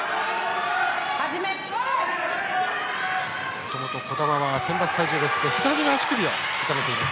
もともと児玉は選抜体重別で左足首を痛めています。